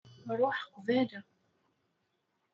Ruḥ qbala.